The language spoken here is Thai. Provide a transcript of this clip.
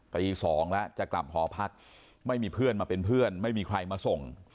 ตี๒แล้วจะกลับหอพักไม่มีเพื่อนมาเป็นเพื่อนไม่มีใครมาส่ง